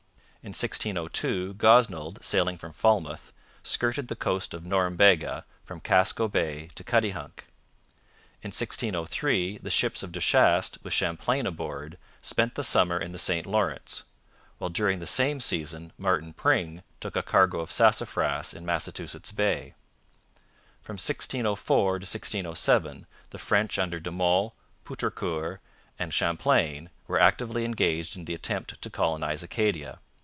In 1602 Gosnold, sailing from Falmouth, skirted the coast of Norumbega from Casco Bay to Cuttyhunk. In 1603 the ships of De Chastes, with Champlain aboard, spent the summer in the St Lawrence; while during the same season Martin Pring took a cargo of sassafras in Massachusetts Bay. From 1604. to 1607 the French under De Monts, Poutrincourt, and Champlain were actively engaged in the attempt to colonize Acadia.